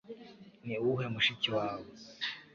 Ni uwuhe mushiki wawe